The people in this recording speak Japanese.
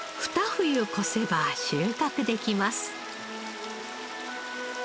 冬越せば収穫できます。